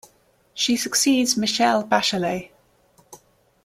She succeeds Michelle Bachelet.